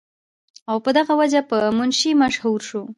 او پۀ دغه وجه پۀ منشي مشهور شو ۔